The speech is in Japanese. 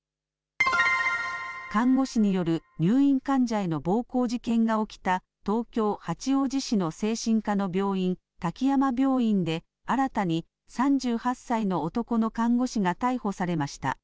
看護師による入院患者への暴行事件が起きた東京八王子市の精神科の病院、滝山病院で新たに３８歳の男の看護師が逮捕されました。